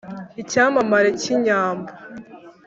Icyamamare k’inyambo,